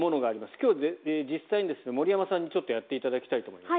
今日、実際に森山さんにやっていただきたいと思います。